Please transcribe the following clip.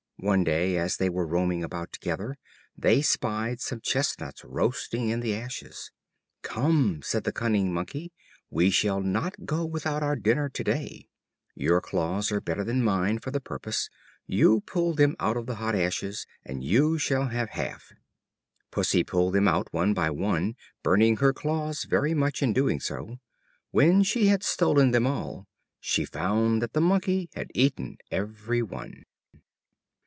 One day, as they were roaming about together, they spied some chestnuts roasting in the ashes. "Come," said the cunning Monkey, "we shall not go without our dinner to day. Your claws are better than mine for the purpose; you pull them out of the hot ashes and you shall have half." Pussy pulled them out one by one, burning her claws very much in doing so. When she had stolen them all, she found that the Monkey had eaten every one.